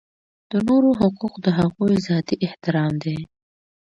د نورو حقوق د هغوی ذاتي احترام دی.